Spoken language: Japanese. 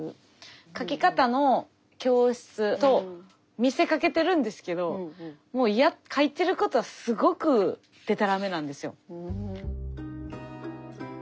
書き方の教室と見せかけてるんですけどもう書いてることはすごくでたらめなんですよ。